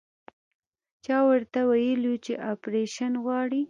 چا ورته ويلي وو چې اپرېشن غواړي.